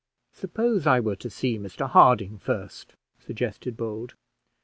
"Suppose I were to see Mr Harding first," suggested Bold.